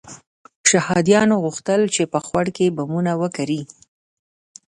شهادیانو غوښتل چې په خوړ کې بمونه وکري.